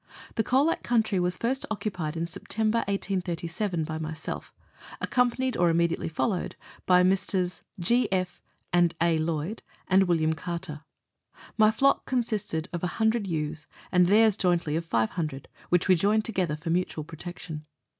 The Colac country was first occupied in September 1837 by myself, accompanied or immediately followed by Messrs. Gr. F. and A. Lloyd, and Wm. Carter ; my flock consisted of 100 ewes, and theirs jointly of 500, Avliich we joined together for mutual protection.